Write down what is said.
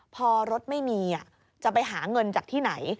พอรถไม่มีจะไปหาเงินจากที่ไหน